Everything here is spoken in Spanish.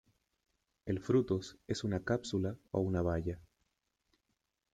El frutos es una cápsula o una baya.